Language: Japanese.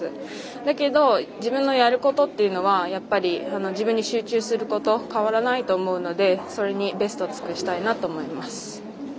だけど自分がやることというのは自分に集中すること変わらないと思うのでそれにベストを尽くしたいなと思います。